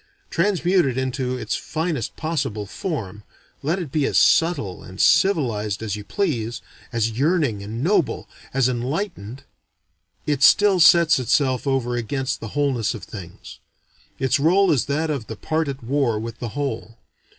Transmute it into its finest possible form, let it be as subtle and civilized as you please, as yearning and noble, as enlightened, it still sets itself over against the wholeness of things; its role is that of the part at war with the whole.